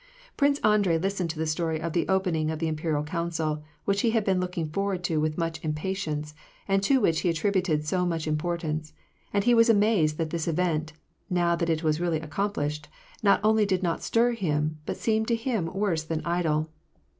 Prince Andrei listened to the story of the opening of the Imperial Council, which he had been looking forward to with so much impatience, and to which he attributed so much im portance ; and he was amazed that this event, now that it was really accomplished, not only did not stir him, but seemed to him worse than idle.